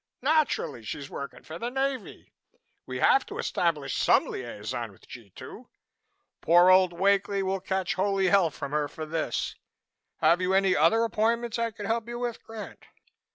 Naturally she's working for the Navy. We have to establish some liaison with G 2. Poor old Wakely will catch holy hell from her for this. Have you any other appointments I could help you with, Grant?"